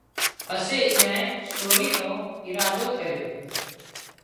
پسي ايئانئي سوري نو ارادو ڪريو